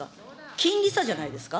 金利差じゃないですか。